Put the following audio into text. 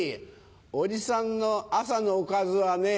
おじさんの朝のおかずはね。